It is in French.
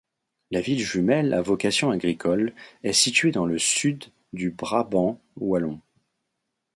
La ville jumelle à vocation agricole est située dans le sud du Brabant Wallon.